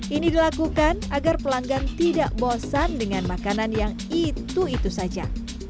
ini dilakukan agar pelanggan tidak bosan dengan makanan yang itu itu saja